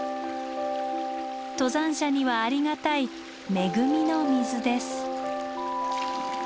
登山者にはありがたい恵みの水です。